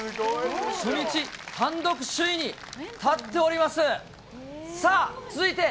初日単独首位に立っております。